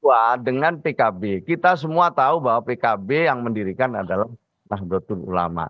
ya dengan pkb kita semua tahu bahwa pkb yang mendirikan adalah nahdlatul ulama